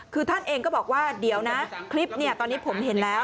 คือท่านเองก็บอกว่าเดี๋ยวนะคลิปตอนนี้ผมเห็นแล้ว